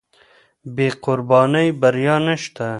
بې قربانۍ بریا نشته.